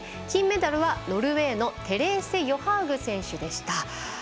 金メダルはノルウェーのテレーセ・ヨハウグ選手でした。